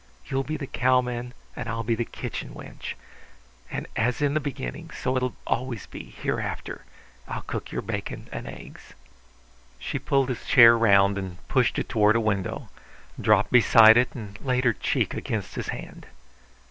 You will be the cowman and I'll be the kitchen wench. As in the beginning, so it will always be hereafter, I'll cook your bacon and eggs." She pulled his chair round and pushed it toward a window, dropped beside it and laid her cheek against his hand.